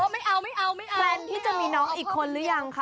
นี่จะไม่เอานี่จะมีความยังค่ะ